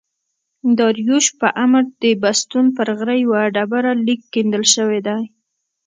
داریوش په امر د بستون پر غره یو ډبر لیک کیندل سوی دﺉ.